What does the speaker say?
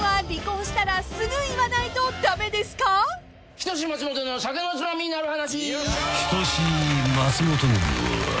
『人志松本の酒のツマミになる話』